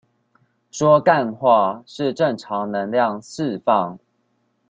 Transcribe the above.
說幹話是正常能量釋放